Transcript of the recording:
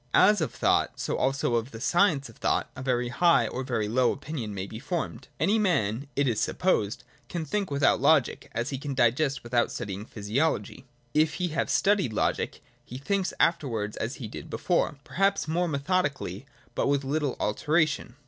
As of thought, so also of the science of thought, a very hio h or a very lowr opinion may be formed. Any man, it is supposed, can think without Logic, as he can digest without studying physiology. If he have studied Logic, he thinks afterwards as he did before, perhaps more methodically, but with Uttle alteration.